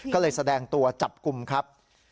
ก็เลยแสดงตัวจับกลุ่มครับ